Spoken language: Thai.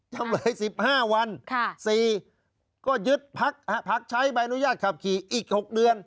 จำเลยสิบห้าวันค่ะสี่ก็ยึดพักฮะพักใช้ใบอนุญาตขับขี่อีกหกเดือน